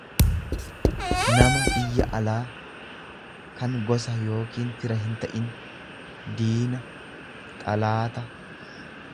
nama biyya alaa, kan gosa yookiin fira hinta'in, diina, xalaata.